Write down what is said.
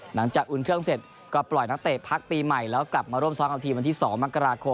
อุ่นเครื่องเสร็จก็ปล่อยนักเตะพักปีใหม่แล้วกลับมาร่วมซ้อมกับทีมวันที่๒มกราคม